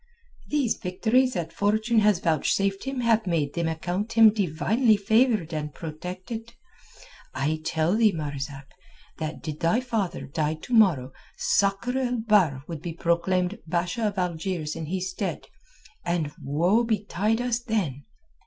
These victories that fortune has vouchsafed him have made them account him divinely favoured and protected. I tell thee, Marzak, that did thy father die to morrow Sakr el Bahr would be proclaimed Basha of Algiers in his stead, and woe betide us then.